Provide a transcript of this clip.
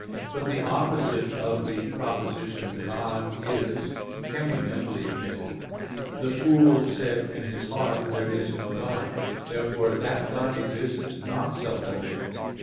But the opposite of the proposition "God is" can be mentally admitted: "The fool said in his heart, There is no God" (Ps. 52:1). Therefore, that God exists is not self evident.